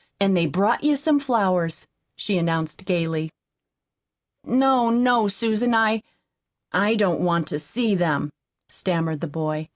An' they've brought you some flowers," she announced gayly. "No, no, Susan, I I don't want to see them," stammered the boy.